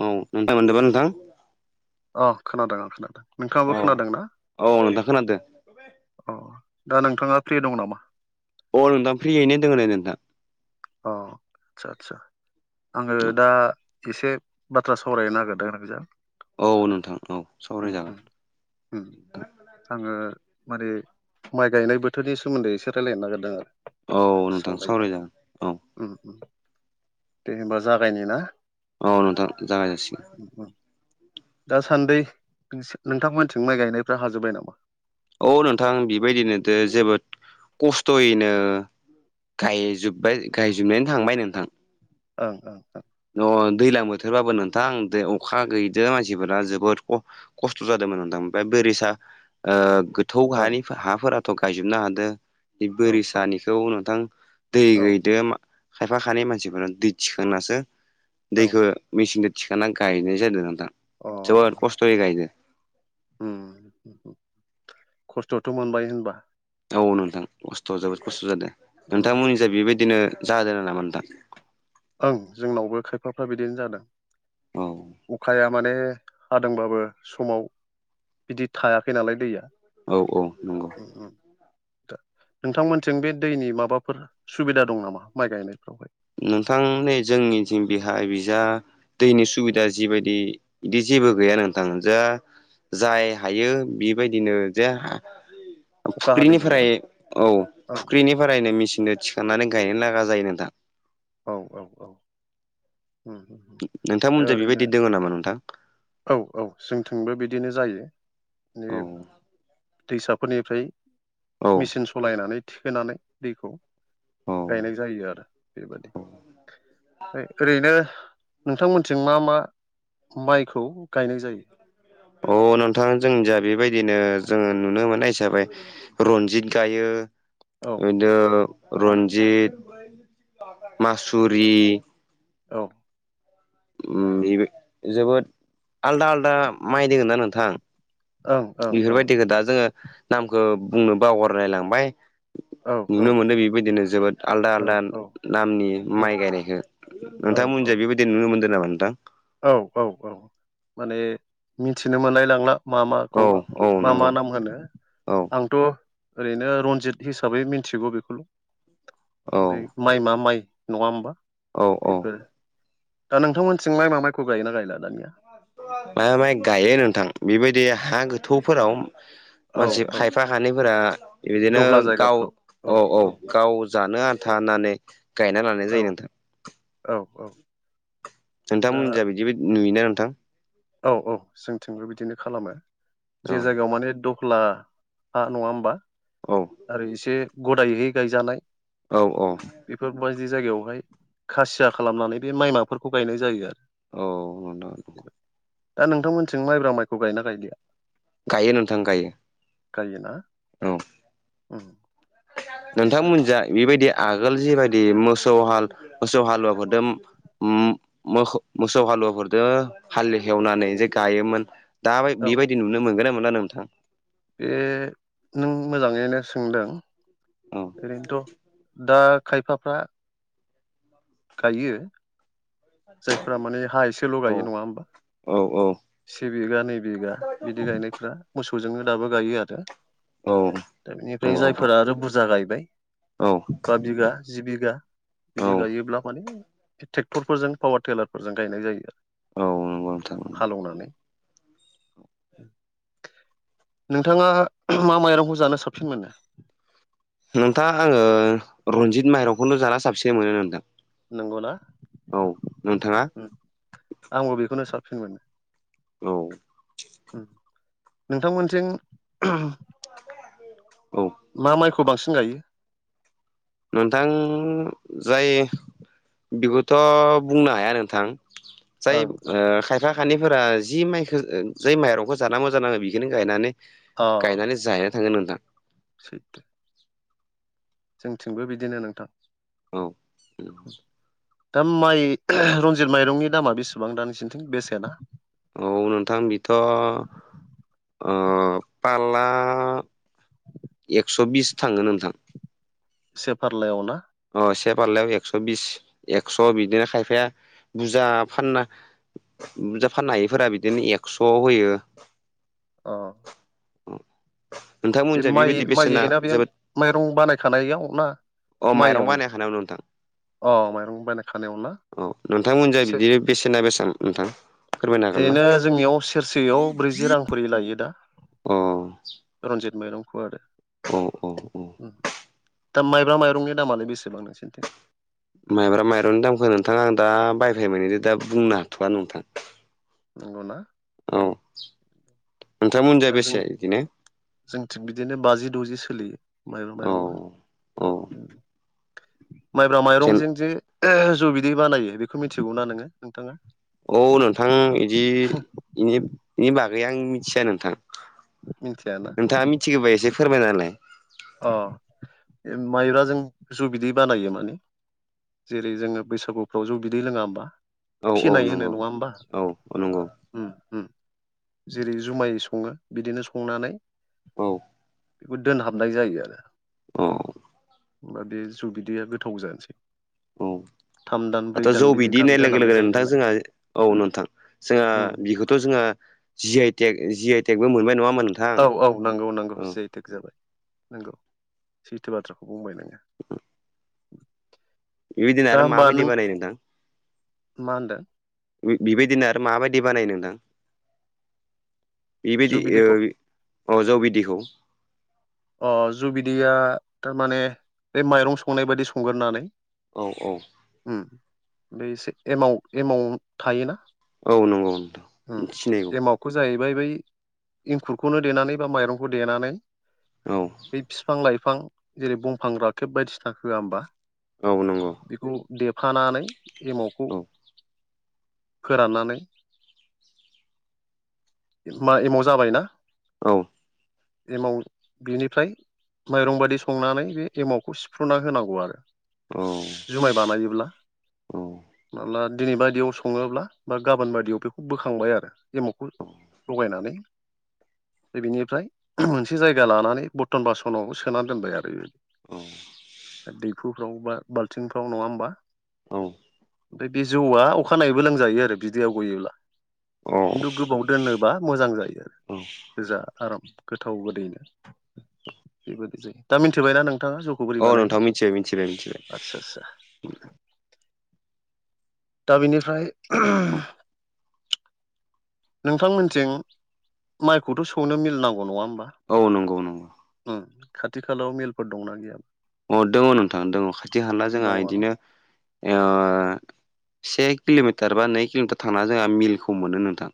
औ नोंथां मोनदोंबा नोंथां अ खोनादों आं खोनादों औ नोंथाङाबो खोनादों ना औ नोंथां खोनादो अ दा नोंथांङा फ्रि दं नामा अ नोंथां फ्रियैनो दंङो नै नोंथां अ आदसा आदसा आंङो दा एसे बाथ्रा सावरायनो नागिरदों नोंजों औ नोंथां औ सावराय जागोनथां आंङो माने माइ गायनाय बोथोरनि सोमोन्दै एसे रायजलायनो नागिरदों आरो औ नोंथां सावरायनो सावरायजागोन औ दे होमबा जागायनि ना औ नोंथां जागाय जासिगोन दासान्दि नोंथांमोनथिं माइ गायनायफ्रा हाजोब्बाय नामा औ नोंथां बेबायदिनो दो जोबोद खस्थ'यैनो गायजोबबाय गायजोबनायनि थांबाय नोंथां ओं ओ ओ अ दैज्लां बोथोरबाबो नोंथां अखा गैदो मानसिफोरा जोबोद ख खस्थ' जादोंमोन नथां ओमफ्राय बेरिसा ओ थौ हानि हाफोराथ' गायजोबनो हादों बे ओं बोरिसानि थ नोंथां दै औ गैदो खायफा खानि मानसिफोर दै थिखांनासो दैखौो औ मेचिनजों थिखांनानै गायनाय जादों नोंथां जोबोद औ अ खस्थ'यै गायदों उम खस्थ'थ' मोनबाय होनबा औ नोंथां खस्थ' जोबोद खस्थ' जादों उम नोंथांमोननिस बेबायदिनो ज जादोंनामा नोंथां ओं जोंनावबो खायफाफ्रा बिदिनो जादों औ अखाया माने हादोंबाबो समाव बिदि थायाखै नालाय दैया औ औ नंगौ ओ नोंथांमोनथिजों बे दैनि माबाफोर सुबिदा दं नामा माइ गायनायफ्रावहाय नोंथांनि जोंनिथिम बिहाय बिजा दैनि सुबिदा जिबायदि बिदि जेबो गैया नोंथां जाय हायो बेबायदिनो जे अखा हादैजों ना फुख्रिनिफ्राय औ फुख्रिनिफ्रायनो मेचिनजों थिखांनानै गायनो नागा जायो नोंथां औ औ औ। उम। उम। दा नोंथांमोनजों ओरैनो बेबायदि दंङ नामा नोंथां? औ औ जोंथिंबो बिदिनो जायो औ बे दैसाफोरनिफ्राय औ मेचिन सालायनानै थिखोनानै दैखौ औ गायनाय जायो आरो बेबादि ओफ्राय ओरैनो नोंथांमोनथिं मा मा माइखौ गायनाय जायो। अ नोंथां जों जा बेबायदिनो जोंङो नुनो मोननाय हिसाबै रनजित गायो। औ बिनो रन्जित, मासुरि, औ। बेबो जोबोद आलदा आलदा माइ दोगोन ना नोंथां। ओं ओं ओं बेफोरबायदिखौ दा जोङो नामखौ बुंनो बावगारलायलांबाय। औ नुनो औ मोनदों बेबायदिनो जोबोद। आलदा औ आलादा औ नामनि उम माइ गायनायखौ औ नोंथांमोनजों बेबायदि नुनो मोनदों नामा नोंथां। औ औ औ माने मिथिनो मोनलाय लांला। मा औ माखौ औ मा मा नंगौ नाम होनो औ आंथ' ओरैनो रनजित हिसाबै मिथिगौ बेखौल' औ बेम माइ मा माइ नंङा होमबा औ औ बेफोरो दा नोंथांमोनथिंलाय मा माइखौ गायोना गायला दानिया? मा माय गायो नोंथां बेबायदि हा गोथौफोराव औ मानसि औ खायफा हानायफोरा बिदिनो गाव औ औ गाव जानो आन्था होननानै गायना लानाय औ जायो नोंथां। औ औ। दा नोंथांमोनिजा बिदिबो नुयोना नोंथां। औ औ जोंथिंबो बिदिनो खालामो औ जे जायगायाव माने खुलाहा नङा होमबा? औ। आरो एसे गदायहै गायजानाय। औ औ। बेफोरबायदि जायगायावहाय खासिया खालामनानै बे माइमाफोरखौ गायनाय जायो आरो। औ नोंथां। दा नोंथांमोनथिं माइब्रा माइखौ गायना गायलिया गायो नोंथां गायो। गायला औ आदसा नोंथांमोनजा बेबायदिया आगोल जिबायदि मोसौ हाल मोसौ हालुवाफोरजों औ मोसौ हालुवाफोरजों हाल एवनानै जे गायोमोन। दा औ बेबायदि नुनो मोनगोन ना मोनला नोंथां। बे नों मोजाङैनो सोंदों औ ओरैनोथ' दा। खायफाफ्रा गायो जायफ्रा माने हा एसेल' गायो नङा औ होमबा? औ से बिघा नै बिघा बिदि गायनायफ्रा मोसौजोंनो दाबो गायो आरो। औ। दा नंगौ बेनिफ्राय नोंथां जायफोरा आरो बुरजा गायबाय औ बा बिघा जि बिघा बिदि औ गायोब्ला माने ट्रेक्टरफोरजों पावार टेलारफोरजों गायनाय जायो आरो। औ नंगौ नोंथां हालेवनानै नोंथाङा मा माइरंखौ जानो साबसिन मोनो? नोंथाङा आङो रनजित माइरंखौनो जाना साबसिन मोनो नोंथां। नंगौना औ नोंथाङा आंबो बेखौनो साबसिन मोनो। औ ओम नोंथांमोनथिं औ मा माइखौ बांसिन गायो नोंथां जाय बेखौथ' बुंनो हाया नोंथां जाय ओं ओं खायफा खानिफोरा जि माइखौ जै माइरंखौ जानांगौ जानाङो बेखौनो गायनानै अ गायनानै जाहैनो थांगोन नोंथां सैथो जोंथिंबो बिदिनो नोंथां औ ओम दा माइ रनजित माइरंनि दामा बेसेबां दा नोंसोरनिथिं बेसेना औ नोंथां बेथ' पाला एक्स' बिस थाङो नोंथां से फारलायाव ना अ से फारलायाव एकस' बिस एक्स' बिदिनो खायफाया बुरजा फानना बुजा फाननो हायिफोरा बिदिनो एक्स' होयो अ [inaudible] बे माइ बेबायदि बेसेना माइ ना बे जोबोद माइरं बानायखानायाव ना अ माइरं माइयावनो बानायखानायाव नोंथां अ माइरं बानायखानायाव ना अ नोंथांमोनजों बिदिनो बेसेना सेबां नोंथां फोरमायनो हागोन ना ओरैनो जोंनियाव सेरसेयाव ब्रैजि रां खरि लायो दा अ रनजित माइरंखौ आरो औ-औ-औ दा माइब्रा माइरंनि दामालाय बेसेबां नोंसिनिथिं माइब्रा माइरंनि दामखो नोंथाङा आं दा बायफेर मोनिनि दा बुंनो हाथ'वा नोंथां नंगौना औ नोंथांमोनजाय बेसे बिदिनो जोंथिं बिदिनो बाजि द'जि सोलियो माइब्रा औ माइरङा औ उम माइब्रा जेन माइरंजों जे जौ बिदै बानायो बेखौ मिथिगौना नोङो नोंथाङा औ नोंथां इदि इनि इनि बागै आं मिथिया नोंथां मिनथियाना नोंथाङा मिथिगोबा एसे फोरमायना होलाय अ बे माइब्राजों जौ बिदै बानायो मानि जेरै जोङो बैसागुफ्राव जौ बिदै लोङा होमबा औ-औ नंगौ औ-औ नंगौ उम-उम जेरै जुमाय सङो बिदिनो संनानै औ बेखौ दोनहाबनाय जायो आरो औ होमबा बे जौ बिदैया गोथाव जानोसै औ थाम दान ब्रै दाथ' दान जौ बिदि गाहाम होननाय लोगो दोनहाबनाय लोगोनो जायो नोंथां नालाय जोंहा औ नोंथां जोंहा उम बेखौ थ' जोङा जि आइ टेक जि आइ टेकबो मोनबाय नङा होमबा नोंथां औ-औ नंगौ नांगौ औ जि आइ टेक जाबाय नंगौ सैथो बाथ्राखौ बुंबाय नों [inaudible] बिबादिनो दा आरो होमबा माबायदि नों बानायो नोथां मा होनदों [inaudible] बिबायदिनो आरो माबायदि बानायो नोंथां बिबायदि ओ जुबिदैखौ अ जौ बिदिखौ अ जु बिदिया थारमाने बे माइरं संनाय बादि संगोन नालाय औ औ हम एसे एमाव एमाव थायोना औ नंगौ नोंथां सिनायो बेखौ जाहैबाय बै एंखुरखौनो देनानै बा माइरंखौ देनानै औ बै फिफां लाइफां जेरै बंफां राखेब बायदिसिना होआ होमबा औ नंगौ बेखौ देफानानै एमावखौ औ फोराननानै मा एमाव जाबाय ना औ एमाव बिनिफ्राय माइरं बादि संनानै बे एमावखौ सिफ्रुना होनांगौ आरो। औ जुमाय बानायोब्ला औ माब्ला दिनै बायदियाव सङोब्ला बा गाबोन बायदियाव बेखौ बोखांबाय आरो एमावखौ लगायनानै बेनिफ्राय मोनसे जायगा लानानै बर्थन बासनावबो सोना दोनबाय आरो बेबायदि औ दैहुफ्राव बा बाल्थिंफ्राव नङा होमबा? औ ओमफ्राय बे जौआ अखानायैबो लोंजायो आरो बिदै आव गयोब्ला औ खिनथु गोबाव दोनोबा मोजां जायो आरो गोजा आराम गोथाव गोदैनो बेबायदि जायो दा मिथिबाय ना नोंथाङा जौ अ नोंथां मिथिबाय मिथिबाय मिथिबाय आचसा दा बिनिफ्राय औ नोंथांमोनथिं माइखौथ' सौनो मिल नांगौ नङा होमबा औ नंगौ नंगौ ओम खाथि खालायाव मेलफोर दंना गैयामोन? अ दङ नोंथां दङ खाथि खाला जोंहा दङ ना बिदिनो ओ से किल'मिटार बा नै किल'मिटार थांना जोंहा मिलखौ मोनो नोंथां।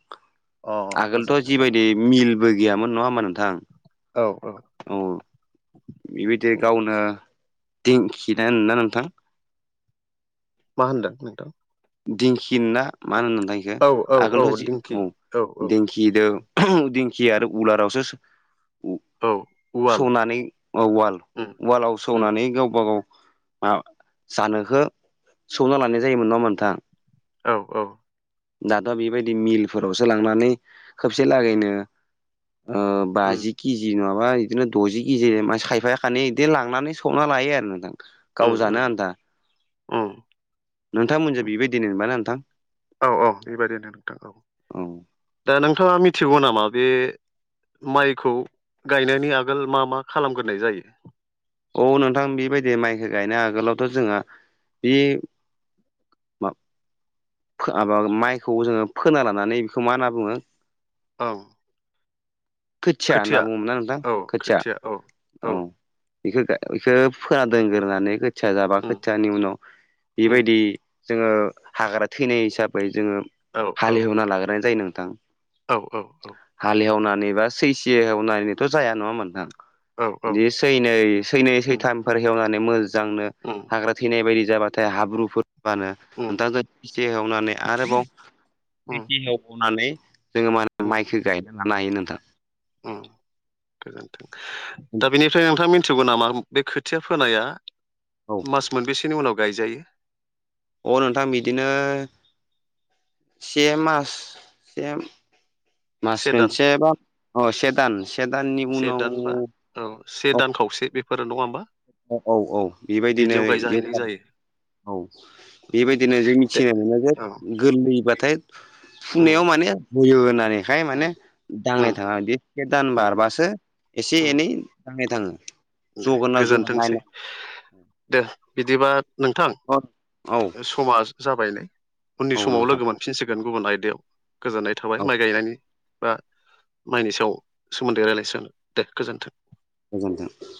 अ मोजां आगोलथ' मोजां जिबायदि मोजां मिलबो गैयामोन नङा होमबा नोंथां? औ औ औ बेबायदि उम। गावनो दिंखि ना होनोना नोंथां? मा होनदों नोंथां? दिंखि ना मा होनो नोंथां बेखौ औ औ औ आगोलथ' जि दिंखि औ औ दिंखि खिदो दिंखि आरो उलारावसो औ उवाल सौनानै औ उवाल उम उवालाव उम सौनानै गावबा गाव मा जानोखो सौना लानाय जायोमोन नङा होनबा नोंथां? औ औ दाथ' बेबायदि मिलफोरावसो लांनानै खबसे लागैनो ओ उम बाजि किजि नङाबा बिदिनो द'जि किजि खायफाया खानै इदि लांनानै सौना लायो आरो नोंथां। गाव उम जानो उम आनथा उम नोंथांमोनजों बेबायदिनो मोनबा नोंथां औ औ बेबायदिनो नोंथां औ। दा नोंथाङा मिथिगौ नामा बे माइखौ गायनायनि आगोल मा मा खालामग्रोनाय जायो? औ नोंथां बेबायदि माइखौ गायनो आगोलावथ' जोंहा बि मा माबा माइखौ जोङो फोना लानानै बेखौ मा होनना बुङो औ खोथिया होनना बुङोमोनना नोंथां औ खोथिया औ औ इखो गाय इखो फोना दोनग्रोनानै खोथिया जाबा उम खोथियानि उनाव उम बेबायदि जोङो हाग्रा थैनाय हिसाबै जोङो औ औ हालेवना लाग्राय जायो नोंथां औ औ हाल एवनानै बा सैसे एवनानैथ' जाया नङा होमबा नोंथां औ औ इदि सैनै सैनै उम सैथामफोर हेवनानै मोजांनो [unintelligible] हाग्रा थैनाय बायदि जाबाथाय हाब्रुफोरबानो उम नोंथां एसे हेवनानै आरोबाव उम फिनसे एवबावनानै जोङो उम माइखौ गाय ना लानो हायो नोंथां गोजोनथों दा बेनिफ्राय नोंथां मिथिगौ नामा बे खोथिया फोनाया औ मास मोनबेसेनि उनाव गायजायो अ नोंथां बिदिनो से मास से मास से दान मोनसे बा अ से दान से दाननि से उनाव दान बा औ से औ दान खावसे बेफोरो नङा होमबा औ औ औ बेबायदिनो बिदियाव गायजाहैनाय [unintelligible] जायो औ बेबायदिनो जों दे मिथिनो मोनो जे औ गोरलैबाथाय उम फुंनायाव माने जयो होननानै फ्राय माने उम दांनाय उम थाङा बि से दान उम बारबासो एसे उम एनै दांनाय थाङो दे जगोन ना जआ गोजोनथोंसै नायनानै दे बिदिबा नोंथां औ समा जाबाय नै उननि औ समाव नोंथां लोगो मोन फिनसिगोन गुबुन आयदायाव गोजोननाय थाबाय औ माइ गायनायनि बा माइनि सायाव सोमोन्दै रायलायसिगोन दे गोजोन्थों गोजोन्थों